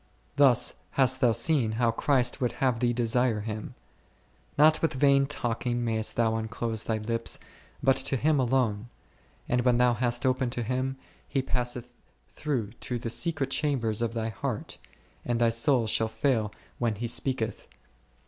Thus hast thou seen how Christ would have thee desire Him ; not with vain talking mayest thou unclose thy lips, but to Him alone ; and when thou hast opened to Him, He passeth through to the secret chambers of thy heart, and thy soul shall fail ivhen He speaketh?